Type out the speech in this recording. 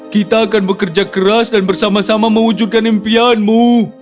kita akan bekerja keras dan bersama sama mewujudkan impianmu